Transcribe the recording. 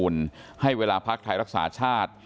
เลขาธิการภักร